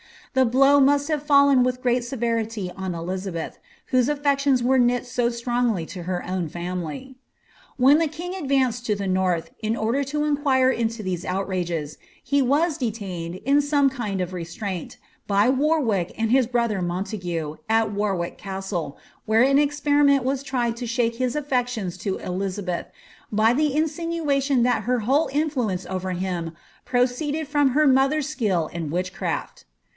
The blow mutt have fallen with great sererity ou Elizabeth, whose auctions were knit so strongly to her own fomily. When the king advanced to the north, in order to inquire into these outrages, he was detained, in some kind of restraint, by Warwick and his brother Montague, at Warwick Castle, where an experiment was tried to shake his affections to EUizabeth, by the insinuation that her whole influence over him proceeded from her mother's skill in witch craft.